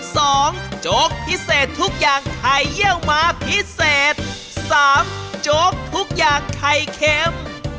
โจ๊กพิเศษทุกอย่างไข่เยี่ยวม้าพิเศษสามโจ๊กทุกอย่างไข่เค็ม